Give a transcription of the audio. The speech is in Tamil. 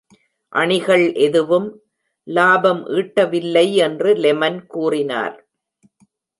அணிகள் எதுவும் லாபம் ஈட்டவில்லை என்று லெமன் கூறினார்.